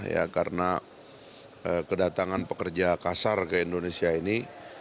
ya karena kedatangan pekerja kasar ke indonesia ini